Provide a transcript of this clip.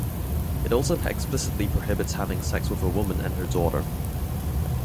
It also explicitly prohibits having sex with a woman and her daughter.